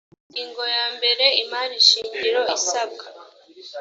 ingingo ya mbere imari shingiro isabwa